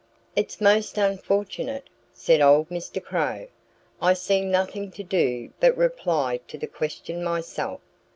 "It's most unfortunate," said old Mr. Crow. "I see nothing to do but reply to the question myself.